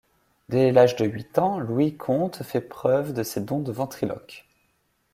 Dès l'âge de huit ans, Louis Comte fait preuve de ses dons de ventriloque.